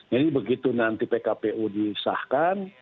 jadi begitu nanti pkpu disahkan